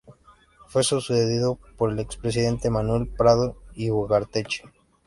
Fue sucedido por el expresidente, Manuel Prado y Ugarteche.